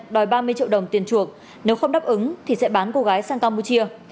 đòi ba mươi triệu đồng tiền chuộc nếu không đáp ứng thì sẽ bán cô gái sang campuchia